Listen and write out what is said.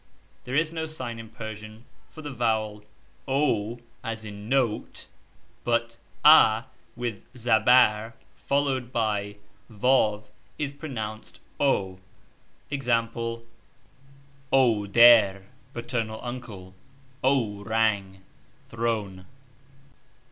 There is no sign in Persian for the vowel (o) as in note, but (a) with (') zabarr, followed by (v) is pronounced as (o) : ex. .j.l oder (paternal uncle), isJjjjl orang (thi'one).